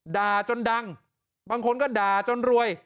ด่าจนดังบางคนก็ด่าจนรวย